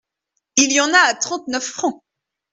Il y en a à trente-neuf francs.